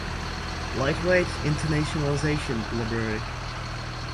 Lightweight internationalization library